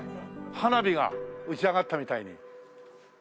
花火が打ち上がったみたいに。